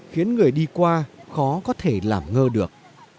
khiến người đi qua khó có thể làm ngơ được